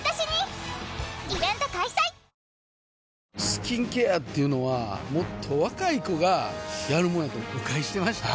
スキンケアっていうのはもっと若い子がやるもんやと誤解してました